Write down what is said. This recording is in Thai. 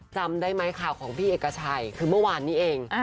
จำได้ไหมข่าวของพี่เอกชัยคือเมื่อวานนี้เอง